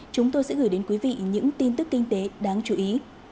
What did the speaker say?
chúng tôi sẽ gửi đến quý vị những tin tức kinh tế đáng chú ý